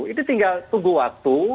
ini tinggal tunggu waktu